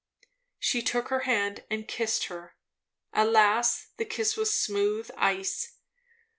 She took her hand and kissed her. Alas! the kiss was smooth ice.